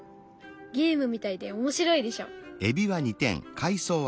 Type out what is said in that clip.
ゲームみたいで面白いでしょ。